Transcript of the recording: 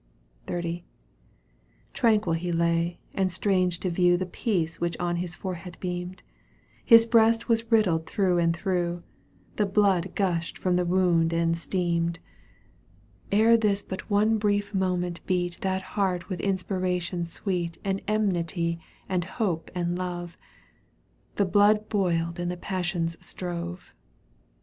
XXX. ^ Tranquil he lay, and strange to view The peace which on his forehead beamed, \ His breast was riddled through and through, ' The blood gushed from the wound and steamed. Digitized byCjOOQlC CANTO VL EUGENE ON^GUINE, 175 Ere this but one brief moment beat That heart with inspiration sweet And enmity and hope and love — The blood boiled and the passions strove.